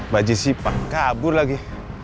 baju sih pak kabur lagi